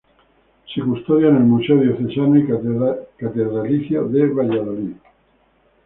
Se custodia en el Museo Diocesano y Catedralicio de Valladolid.